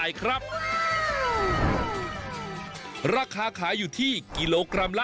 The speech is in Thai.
วันนี้พาลงใต้สุดไปดูวิธีของชาวเล่น